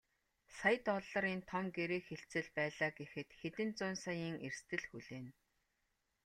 Сая долларын том гэрээ хэлцэл байлаа гэхэд хэдэн зуун саяын эрсдэл хүлээнэ.